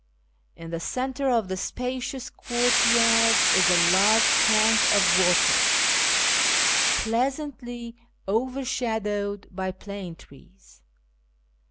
In llic centre of the spacious courtyard is a large tank of water, pleasantly overshadowed by plane trees.